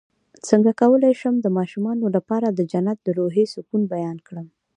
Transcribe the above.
څنګه کولی شم د ماشومانو لپاره د جنت د روحي سکون بیان کړم